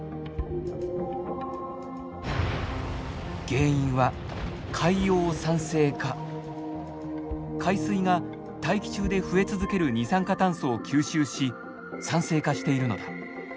原因は海水が大気中で増え続ける二酸化炭素を吸収し酸性化しているのだ。